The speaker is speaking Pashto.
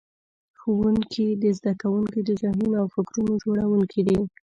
ښوونکي د زده کوونکو د ذهنونو او فکرونو جوړونکي دي.